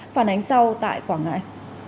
phản ánh sau tại quảng ngãi